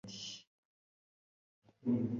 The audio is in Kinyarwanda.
bumva umuntu aravuze ati